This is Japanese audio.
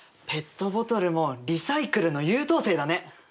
ペットボトルもリサイクルの優等生だね。